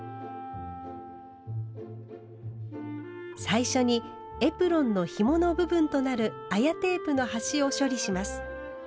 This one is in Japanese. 最初にエプロンのひもの部分となる綾テープの端を処理します。